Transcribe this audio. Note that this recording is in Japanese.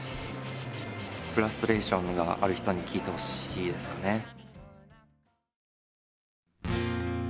フラストレーションがある人に聴いてほしいですかね。